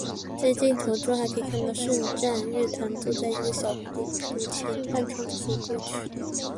在镜头中还可以看到圣战乐团坐在一个小屋的壁炉前伴唱这首歌曲。